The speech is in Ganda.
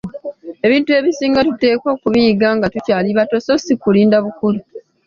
Ebintu ebisinga tuteekwa okubiyiga nga tukyali bato so si kulinda bukulu.